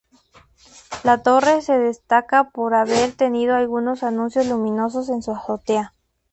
La torre se destaca por haber tenido algunos anuncios luminosos en su azotea.